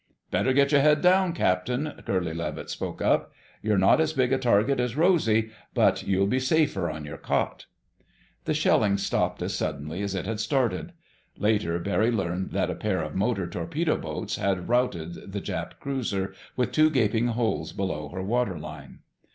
"Better get your head down, Captain," Curly Levitt spoke up. "You're not as big a target as Rosy, but you'll be safer on your cot." The shelling stopped as suddenly as it had started. Later Barry learned that a pair of motor torpedo boats had routed the Jap cruiser, with two gaping holes below her waterline.